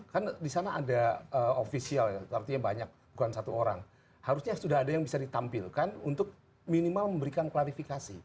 kan di sana ada ofisial artinya banyak bukan satu orang harusnya sudah ada yang bisa ditampilkan untuk minimal memberikan klarifikasi